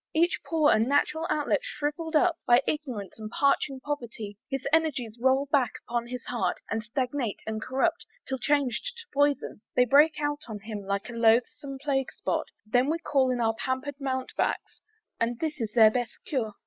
Each pore and natural outlet shrivell'd up By ignorance and parching poverty, His energies roll back upon his heart, And stagnate and corrupt; till changed to poison, They break out on him, like a loathsome plague spot; Then we call in our pamper'd mountebanks And this is their best cure!